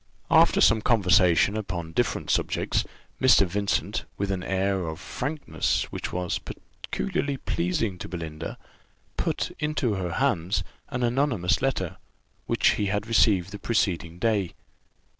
After some conversation upon different subjects, Mr. Vincent, with an air of frankness which was peculiarly pleasing to Belinda, put into her hands an anonymous letter, which he had received the preceding day.